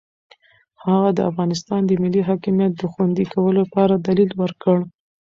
هغه د افغانستان د ملي حاکمیت د خوندي کولو لپاره دلیل ورکړ.